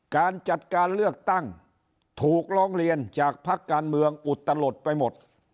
การจัดการเลือกตั้งถูกร้องเรียนจากพักการเมืองอุตลดไปหมด